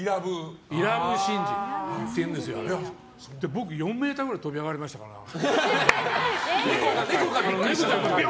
僕、４ｍくらい飛び上がりましたからね。